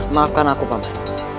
maafkan aku paman